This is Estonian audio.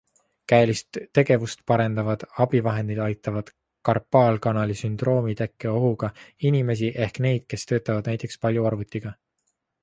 Käelist tegevust parendavad abivahendid aitavad karpaalkanali sündroomi tekke ohuga inimesi ehk neid, kes töötavad näiteks palju arvutiga.